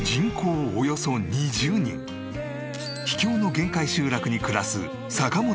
秘境の限界集落に暮らす坂本ファミリー。